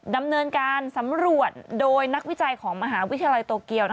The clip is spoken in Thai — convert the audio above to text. ดำเนินการสำรวจโดยนักวิจัยของมหาวิทยาลัยโตเกียว